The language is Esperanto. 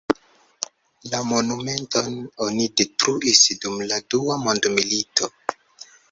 La monumenton oni detruis dum la dua mondmilito.